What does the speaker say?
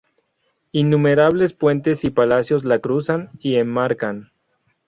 Innumerables puentes y palacios la cruzan y enmarcan.